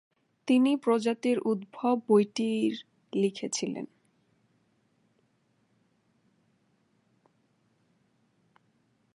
তিনি প্রজাতির উদ্ভব বইটির লিখছিলেন।